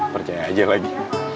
percaya aja lagi